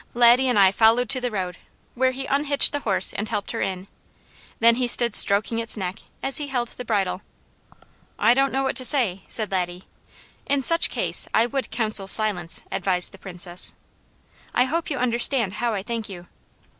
Laddie and I followed to the road, where he unhitched the horse and helped her in. Then he stood stroking its neck, as he held the bridle. "I don't know what to say!" said Laddie. "In such case, I would counsel silence," advised the Princess. "I hope you understand how I thank you."